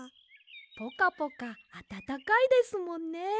ポカポカあたたかいですもんね。